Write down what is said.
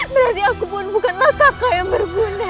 berarti aku pun bukanlah kakak yang berguna